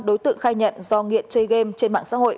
đối tượng khai nhận do nghiện chơi game trên mạng xã hội